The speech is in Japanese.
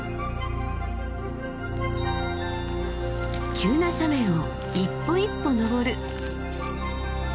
急な斜面を一歩一歩登る。